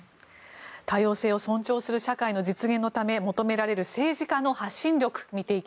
多様性を尊重する社会実現のため求められる政治家の発信力。